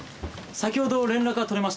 先ほど連絡が取れました。